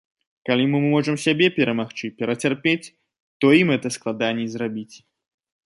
Калі мы можам сябе перамагчы, перацярпець, то ім гэта складаней зрабіць.